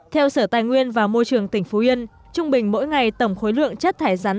theo sở tài nguyên và môi trường tỉnh phú yên trung bình mỗi ngày tổng khối lượng chất thải rắn